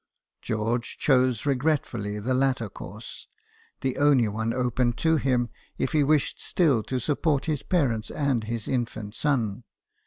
George chose regretfully the latter course the only one open to him if he wished still to support his parents and his infant son.